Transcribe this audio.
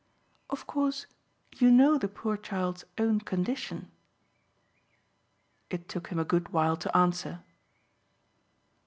"Of course you know the poor child's own condition." It took him a good while to answer.